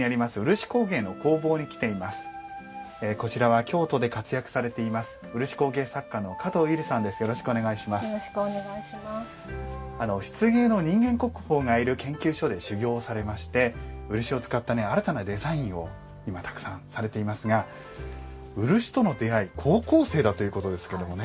漆芸の人間国宝がいる研究所で修業をされまして漆を使った新たなデザインを今たくさんされていますが漆との出会い高校生だということですけどもね